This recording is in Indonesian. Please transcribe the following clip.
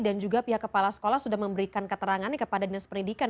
dan juga pihak kepala sekolah sudah memberikan keterangannya kepada dinas pendidikan